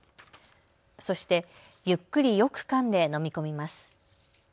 そして、ゆっくりよくかんで飲み込みます。